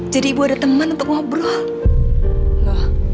jadi ibu ada teman untuk ngobrol